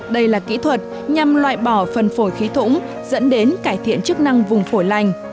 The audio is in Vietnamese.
đây là kỹ thuật nhằm loại bỏ phần phổi khí thủng dẫn đến cải thiện chức năng vùng phổi lành